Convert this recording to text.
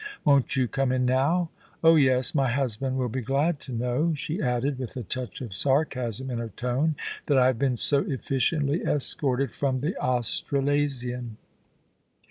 Won't you come in now ? Oh yes ! my husband will be glad to know,' she added, with a touch of sarcasm in her tone, * that I have been so efficiently escorted from the Australasian.'